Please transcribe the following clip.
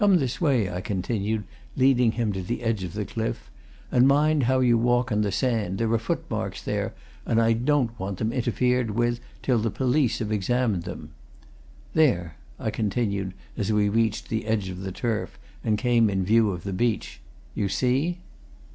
"Come this way," I continued, leading him to the edge of the cliff. "And mind how you walk on the sand there are footmarks there, and I don't want them interfered with till the police have examined them. There!" I continued, as we reached the edge of the turf and came in view of the beach. "You see?"